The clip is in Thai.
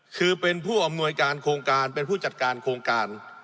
คือเป็นผู้อำนวยการโครงการเป็นผู้จัดการโครงการ